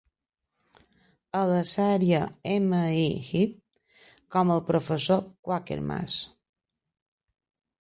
A la sèrie M.I. High com el professor Quakermass.